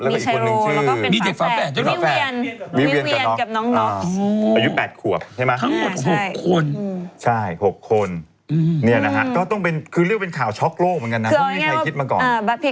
ก็ต้องรอดูว่ากระบวนการแล้วจะเป็นยังไงบ้าง